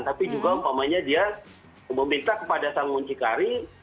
tapi juga umpamanya dia meminta kepada sang muncikari